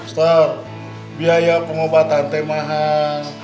sester biaya pengobatan te mahal